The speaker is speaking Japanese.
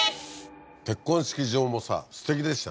結婚式場もさすてきでしたねこれ。